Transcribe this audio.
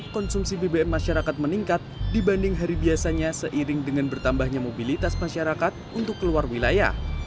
konsumsi bbm masyarakat meningkat dibanding hari biasanya seiring dengan bertambahnya mobilitas masyarakat untuk keluar wilayah